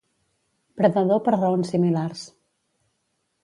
Predador per raons similars.